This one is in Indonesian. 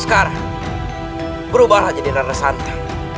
sekarang berubahlah jadi rana santa